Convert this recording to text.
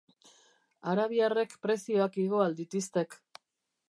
Arabiarrek prezioak igo ahal ditiztek.